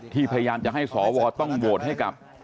พยายามจะให้สวต้องโหวตให้กับ